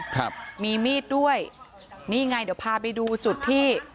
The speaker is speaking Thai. ครับมีมีดด้วยนี่ไงเดี๋ยวพาไปดูจุดที่